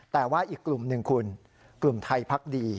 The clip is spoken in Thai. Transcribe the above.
แต่ว่าอีกกลุ่มหนึ่งคุณกลุ่มไทยพักดี